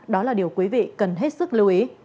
đó là điều quý vị cần hết sức lưu ý